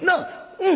「うん」。